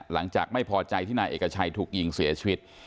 หลังจากไม่พอใจที่นายเอกชัยถูกยิงเสียชีวิต